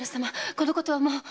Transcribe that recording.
このことはもう。